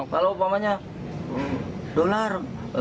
kalau uangnya dolar